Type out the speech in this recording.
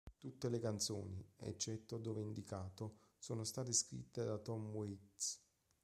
Tutte le canzoni, eccetto dove indicato, sono state scritte da Tom Waits.